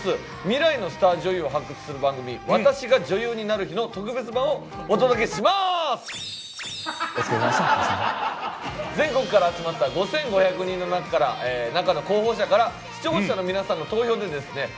未来のスター女優を発掘する番組「私が女優になる日」の特別版をお届けしまーす全国から集まった５５００人のなかの候補者から視聴者の皆さんの投票でですね